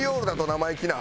生意気な。